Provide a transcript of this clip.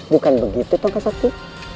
bukan begitu tongkat sakti